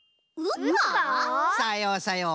さようさよう。